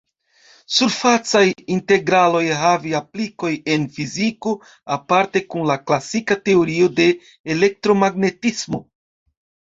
Surfacaj integraloj havi aplikoj en fiziko, aparte kun la klasika teorio de elektromagnetismo.